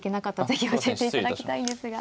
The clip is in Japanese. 是非教えていただきたいんですが。